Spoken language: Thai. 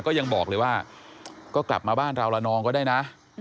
ก็ยังบอกเลยว่าก็กลับมาบ้านเราละนองก็ได้นะ